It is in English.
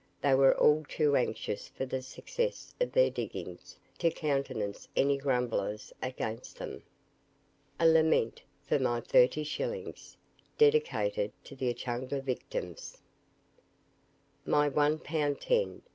They were all too anxious for the success of their diggings, to countenance any grumblers against them: A LAMENT FOR MY THIRTY SHILLINGS, DEDICATED TO THE ECHUNGA VICTIMS, My one pound ten!